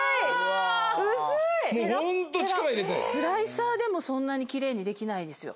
スライサーでもそんなに奇麗にできないですよ。